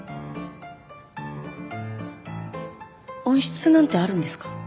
温室なんてあるんですか？